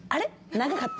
長かった？